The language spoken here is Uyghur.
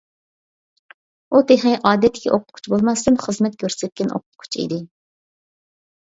ئۇ تېخى ئادەتتىكى ئوقۇتقۇچى بولماستىن خىزمەت كۆرسەتكەن ئوقۇتقۇچى ئىدى.